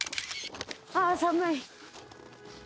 ああ寒い。